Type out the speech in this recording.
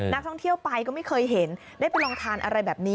นักท่องเที่ยวไปก็ไม่เคยเห็นได้ไปลองทานอะไรแบบนี้